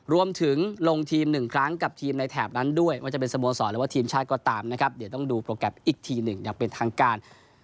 รวมถึงลงทีมหนึ่งครั้งกับทีมในแถบนั้นด้วยว่าจะเป็นสโมสรหรือว่าทีมชาติก็ตามนะครับเดี๋ยวต้องดูโปรแกรมอีกทีหนึ่งอย่างเป็นทางการ